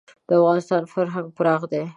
د افغانستان فرهنګ پراخ دی.